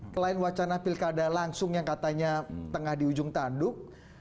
selain wacana pilkada langsung yang katanya tengah di ujung tanduk